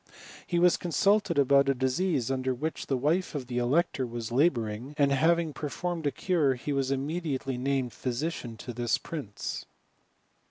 He was consulted about a disease under which the wife of the elector was labour , ing, and having performed a cure, he was immediately named physician to this prince.